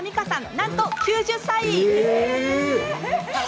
なんと９０歳。